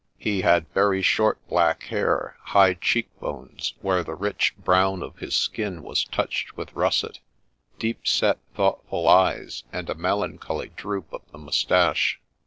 He had very short black hair; high cheekbones, where the rich brown of his skin was touched with russet; deep set, thoughtful eyes, and a melancholy droop of the moustache.